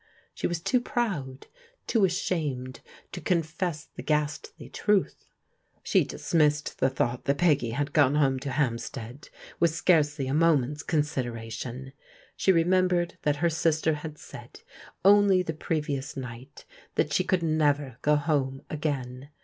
She was too proud, too ashamed to confess the ghastly truth. She dismissed the thought that Peggy had gone home to Hampstead, with scarcely a moment's consideration. She remembered that her sister had said, only the previ ous night, that she could never go home again.